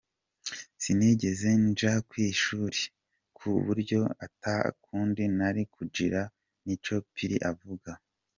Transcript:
"Sinigeze nja kw'ishule, ku buryo ata kundi nari kugira," niko Pili avuga.